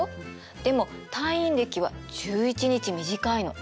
でも太陰暦は１１日短いの。